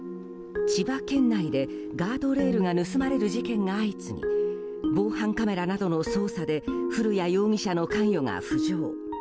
千葉県内でガードレールが盗まれる事件が相次ぎ防犯カメラなどの捜査で古谷容疑者の関与が浮上。